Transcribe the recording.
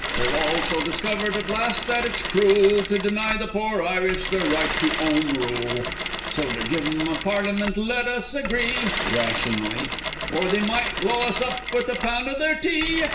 _) We've also discovered at last that it's crule To deny the poor Irish their right to 'Ome Rule! So to give 'em a Parlyment let us agree (Rationally) Or they may blow us up with a Pound of their "Tea"!